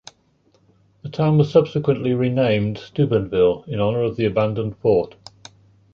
The town was subsequently renamed Steubenville, in honor of the abandoned fort.